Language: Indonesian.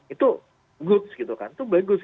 itu good gitu kan itu bagus gitu